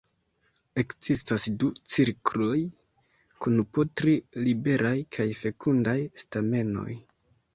Ekzistas du cirkloj kun po tri liberaj kaj fekundaj stamenoj.